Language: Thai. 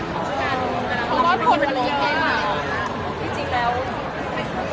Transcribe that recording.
มีอาวุธเหมือนวันเหมือนตอนนี้